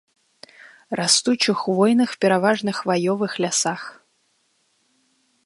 Растуць у хвойных, пераважна хваёвых лясах.